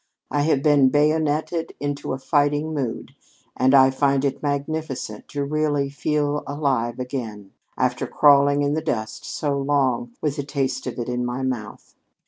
I have been bayoneted into a fighting mood, and I find it magnificent to really feel alive again, after crawling in the dust so long, with the taste of it in my mouth.